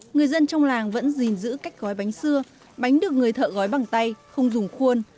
người dân trong làng vẫn gìn giữ cách gói bánh xưa bánh được người thợ gói bằng tay không dùng khuôn